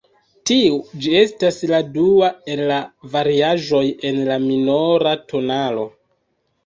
Tiu ĉi estas la dua el la variaĵoj en la minora tonalo.